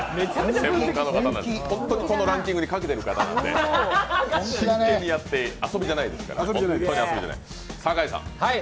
本当にこのランキングにかけている方なんで、ホントにやって、遊びじゃないですから。